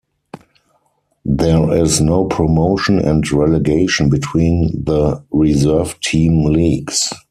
There is no promotion and relegation between the reserve team leagues.